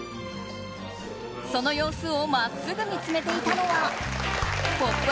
その様子を真っすぐ見つめていたのは「ポップＵＰ！」